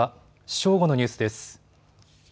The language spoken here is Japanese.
正午のニュースです。